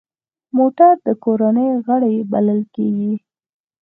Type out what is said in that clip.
موټر د کورنۍ غړی بلل کېږي.